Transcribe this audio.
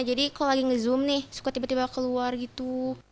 jadi kalau lagi nge zoom nih suka tiba tiba keluar gitu